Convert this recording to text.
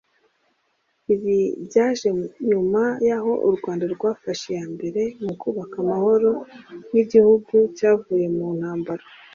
Ibi byaje nyuma y’aho u Rwanda rwafashe iya mbere mu kubaka amahoro nk’igihugu cyavuye mu ntambara